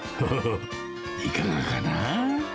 いかがかな？